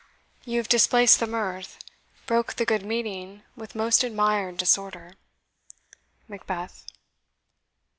You have displaced the mirth, broke the good meeting With most admired disorder. MACBETH.